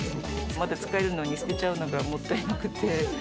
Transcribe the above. まだ使えるのに捨てちゃうのがもったいなくて。